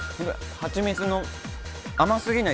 はちみつの甘すぎない